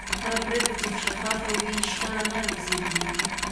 هره پرېکړه چې شفافه وي، شخړه نه زېږي.